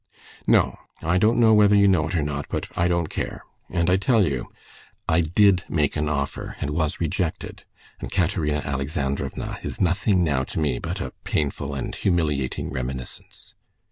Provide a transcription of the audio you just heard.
"No; I don't know whether you know it or not, but I don't care. And I tell you—I did make an offer and was rejected, and Katerina Alexandrovna is nothing now to me but a painful and humiliating reminiscence."